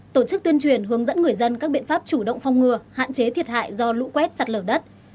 tổ chức tuyên truyền hướng dẫn người dân các biện pháp chủ động phong ngừa hạn chế thiệt hại do lũ quét sạt lở đất